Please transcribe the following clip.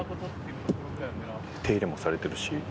手入れもされてるし。